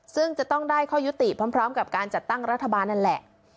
ซึ่งจะต้องได้ข้อยุติพร้อมกับการจัดตั้งรัฐบาลนั่นแหละ